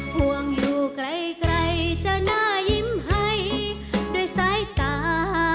ห่วงอยู่ไกลจะน่ายิ้มให้ด้วยสายตา